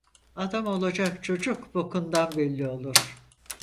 Adam olacak çocuk bokundan belli olur.